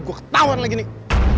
gue ketauan lagi nih